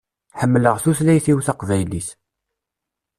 Ḥemmleɣ tutlayt-iw taqbaylit.